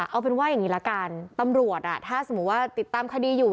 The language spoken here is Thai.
เอาเป็นว่าอย่างนี้ละกันตำรวจถ้าสมมุติว่าติดตามคดีอยู่